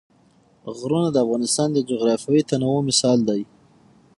غرونه د افغانستان د جغرافیوي تنوع مثال دی.